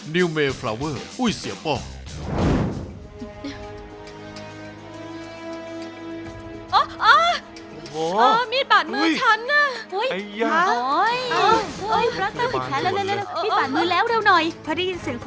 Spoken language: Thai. นิวเมลฟลาเวอร์อุ้ยเสียป้อง